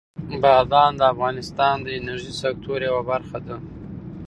بادام د افغانستان د انرژۍ د سکتور یوه برخه ده.